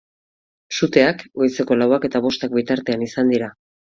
Suteak goizeko lauak eta bostak bitartean izan dira.